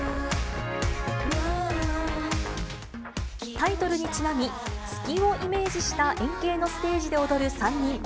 タイトルにちなみ、月をイメージした円形のステージで踊る３人。